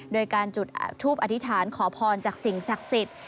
โดยการจุดทูปอธิษฐานขอพรจากสิ่งศักดิ์สิทธิ์